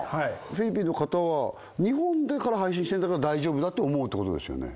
フィリピンの方は日本から配信してるんだから大丈夫だって思うってことですよね？